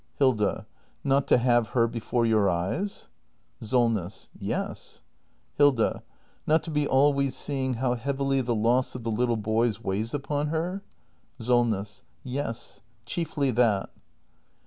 Hilda. Not to have her before your eyes ? Solness. Yes. Hilda. Not to be always seeing how heavily the loss of the little boys weighs upon her ? Solness. Yes. Chiefly that.